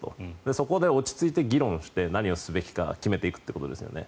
そこで落ち着いて議論して何をすべきか決めていくということですよね。